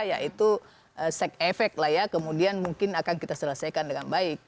ya itu sec efek lah ya kemudian mungkin akan kita selesaikan dengan baik